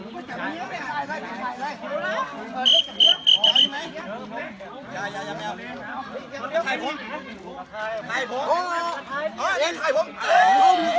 พ่อหนูเป็นใคร